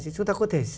chúng ta có thể